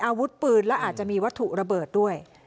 อาวุธปืนและอาจจะมีวัตถุระเบิดด้วย